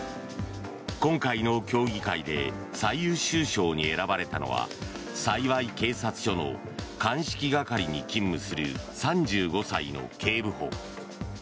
今回の競技会で最優秀賞に選ばれたのは幸警察署の鑑識係に勤務する３５歳の警部補。